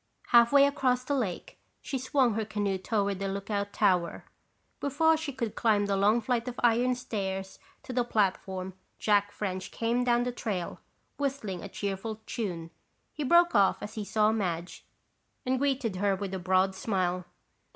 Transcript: Half way across the lake, she swung her canoe toward the lookout tower. Before she could climb the long flight of iron stairs to the platform, Jack French came down the trail, whistling a cheerful tune. He broke off as he saw Madge and greeted her with a broad smile.